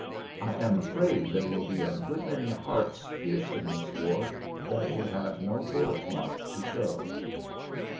I am afraid there will be a good many hearts pierced in this war that will have no bulletmark to show.